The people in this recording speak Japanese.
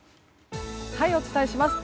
お伝えします。